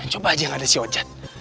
coba aja yang ada si occat